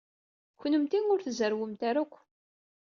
Kennemti ur tzerrwemt ara akk?